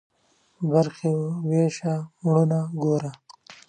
برخي ويشه ، مړونه گوره.